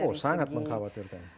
oh sangat mengkhawatirkan